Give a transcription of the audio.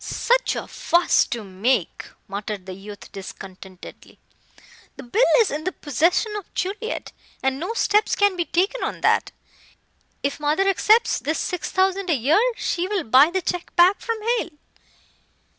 "Such a fuss to make," muttered the youth discontentedly, "the bill is in the possession of Juliet, and no steps can be taken on that. If mother accepts this six thousand a year, she will buy the check back from Hale.